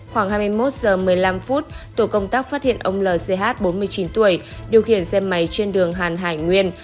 khoảng hai mươi một h một mươi năm tổ công tác phát hiện ông l ch bốn mươi chín tuổi điều khiển xe máy trên đường hàn hải nguyên